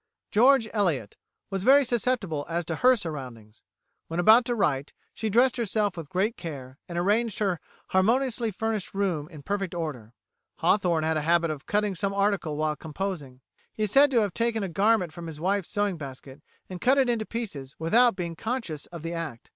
George Eliot was very susceptible as to her surroundings. When about to write, she dressed herself with great care, and arranged her harmoniously furnished room in perfect order.[130:A] Hawthorne had a habit of cutting some article while composing. He is said to have taken a garment from his wife's sewing basket, and cut it into pieces without being conscious of the act.